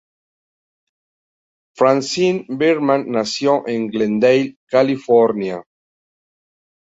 Francine Berman nació en Glendale, California.